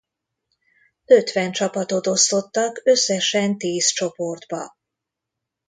Ötven csapatot osztottak összesen tíz csoportba.